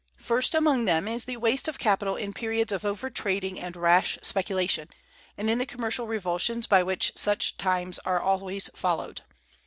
First among them is the waste of capital in periods of overtrading and rash speculation, and in the commercial revulsions by which such times are always followed.